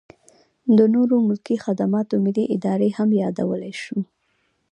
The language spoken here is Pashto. د نورو ملکي خدماتو ملي ادارې هم یادولی شو.